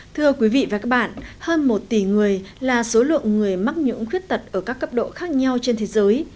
thưa quý vị và các bạn hơn một tỷ người là số lượng người mắc những khuyết tật ở các cấp độ khác nhau trên thế giới